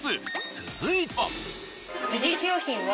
続いては。